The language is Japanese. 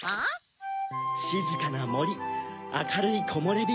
しずかなもりあかるいこもれび